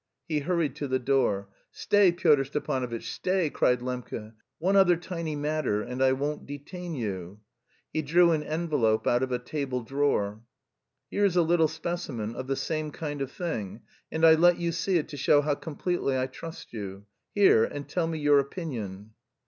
He hurried to the door. "Stay, Pyotr Stepanovitch, stay," cried Lembke. "One other tiny matter and I won't detain you." He drew an envelope out of a table drawer. "Here is a little specimen of the same kind of thing, and I let you see it to show how completely I trust you. Here, and tell me your opinion."